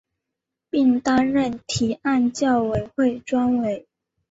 并担任提案委员会专委。